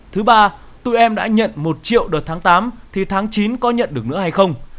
thứ ba tụi em đã nhận một triệu đợt tháng tám thì tháng chín có nhận được nữa hay không